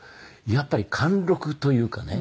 やっぱり貫禄というかね